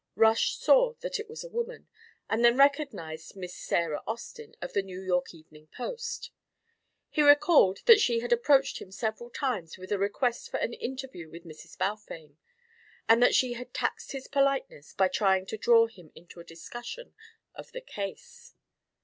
Rush saw that it was a woman, and then recognised Miss Sarah Austin of the New York Evening News. He recalled that she had approached him several times with the request for an interview with Mrs. Balfame; and that she had taxed his politeness by trying to draw him into a discussion of the case.